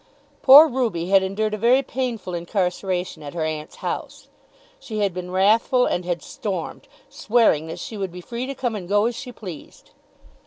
Poor Ruby had endured a very painful incarceration at her aunt's house. She had been wrathful and had stormed, swearing that she would be free to come and go as she pleased.